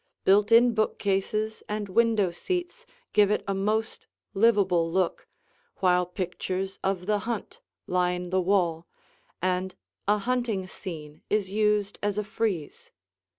Built in bookcases and window seats give it a most livable look, while pictures of the hunt line the wall, and a hunting scene is used as a frieze.